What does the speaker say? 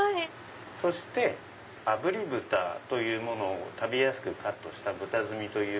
そしてあぶり豚というものを食べやすくカットした豚積み。